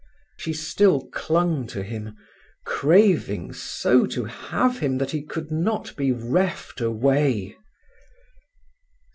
She still clung to him, craving so to have him that he could not be reft away.